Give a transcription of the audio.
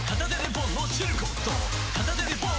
片手でポン！